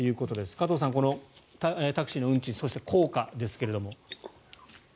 加藤さん、このタクシーの運賃そして効果ですが。